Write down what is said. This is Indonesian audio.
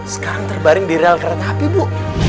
sekarang terbaring di rel kereta api bu